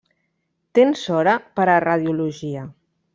Tens hora per a radiologia.